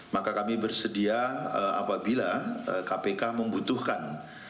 maka kami bersedia apabila kpk membutuhkan